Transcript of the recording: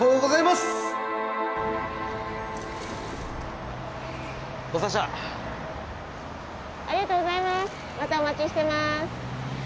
またお待ちしてます